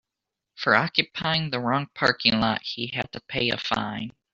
For occupying the wrong parking lot he had to pay a fine.